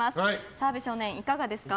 澤部少年、いかがですか？